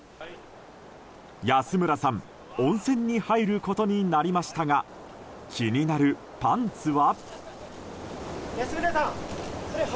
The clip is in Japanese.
安村さん温泉に入ることになりましたが気になるパンツは。